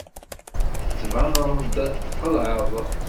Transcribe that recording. Tettbaneḍ-d txelɛeḍ.